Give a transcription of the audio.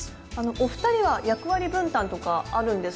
お二人は役割分担とかあるんですか？